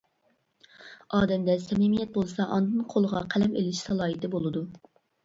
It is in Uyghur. ئادەمدە سەمىمىيەت بولسا ئاندىن قولىغا قەلەم ئېلىش سالاھىيىتى بولىدۇ.